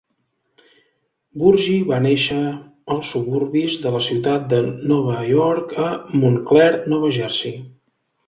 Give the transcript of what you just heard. Burgi va nàixer als suburbis de la ciutat de Nova York a Montclair, Nova Jersey.